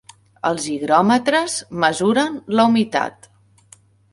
Els higròmetres mesuren la humitat.